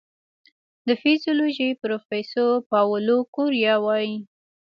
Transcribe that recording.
د فزیولوژي پروفېسور پاولو کوریا وايي